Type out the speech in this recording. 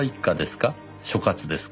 所轄ですか？